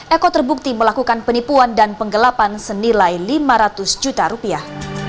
eko terbukti melakukan penipuan dan penggelapan senilai lima ratus juta rupiah